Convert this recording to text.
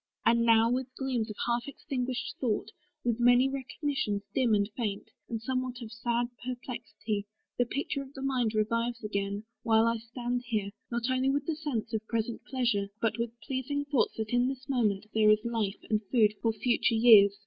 And now, with gleams of half extinguish'd thought, With many recognitions dim and faint, And somewhat of a sad perplexity, The picture of the mind revives again: While here I stand, not only with the sense Of present pleasure, but with pleasing thoughts That in this moment there is life and food For future years.